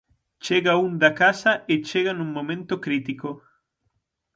Chega un da casa e chega nun momento crítico.